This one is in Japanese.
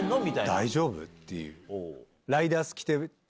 「大丈夫？」っていう。